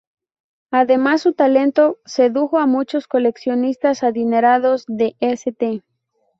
Además su talento sedujo a muchos coleccionistas adinerados de St.